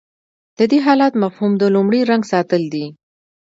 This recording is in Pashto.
د دې حالت مفهوم د لومړي رنګ ساتل دي.